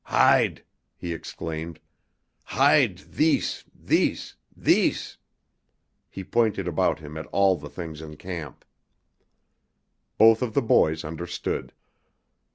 "Hide!" he exclaimed. "Hide thees thees thees!" He pointed about him at all the things in camp. Both of the boys understood.